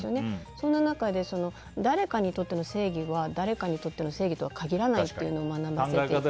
そんな中で誰かにとっての正義は誰かの正義とは限らないというのを学ばせていただいて。